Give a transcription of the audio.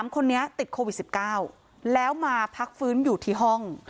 ๓คนนี้ติดโควิด๑๙แล้วมาพักฟื้นอยู่ที่ห้อง